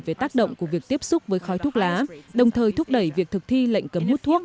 về tác động của việc tiếp xúc với khói thuốc lá đồng thời thúc đẩy việc thực thi lệnh cấm hút thuốc